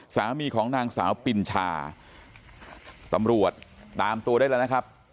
สามีของนางสาวปินชาตำรวจตามตัวได้แล้วนะครับ